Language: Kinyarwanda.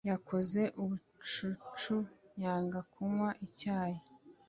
yakoze ubucucu yanga kunywa icyayi